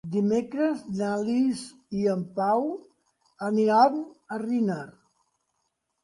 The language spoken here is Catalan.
Dimecres na Lis i en Pau aniran a Riner.